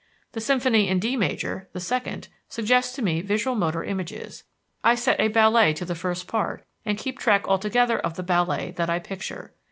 The symphony in D major (the second) suggests to me visual motor images I set a ballet to the first part and keep track altogether of the ballet that I picture.